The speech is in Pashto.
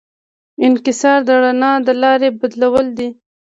انکسار د رڼا د لارې بدلول دي.